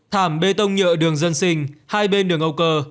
thảm bê tông nhựa đường dân sinh hai bên đường âu cơ